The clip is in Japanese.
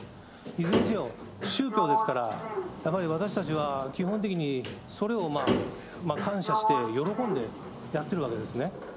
いずれにせよ、宗教ですから、やっぱり私たちは基本的に、それを感謝して喜んでやっているわけですね。